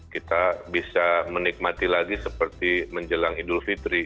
kita bisa menikmati lagi seperti menjelang idul fitri